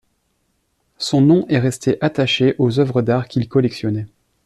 Son nom est resté attaché aux œuvres d'art qu'il collectionnait.